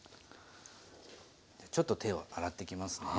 ちょっと手を洗ってきますね。